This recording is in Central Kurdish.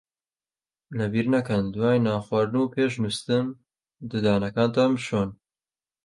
لەبیر نەکەن دوای نان خواردن و پێش نووستن ددانەکانتان بشۆن.